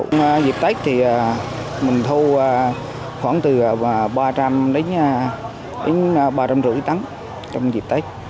trong dịp tết thì mình thu khoảng từ ba trăm linh đến ba trăm năm mươi tấn trong dịp tết